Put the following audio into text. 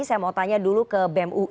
saya mau tanya dulu ke bem ui